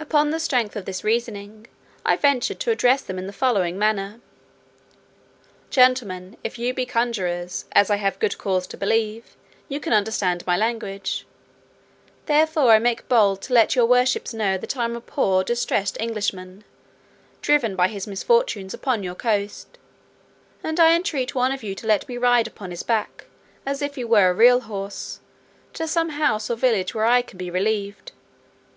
Upon the strength of this reasoning, I ventured to address them in the following manner: "Gentlemen, if you be conjurers, as I have good cause to believe, you can understand my language; therefore I make bold to let your worships know that I am a poor distressed Englishman, driven by his misfortunes upon your coast; and I entreat one of you to let me ride upon his back, as if he were a real horse, to some house or village where I can be relieved.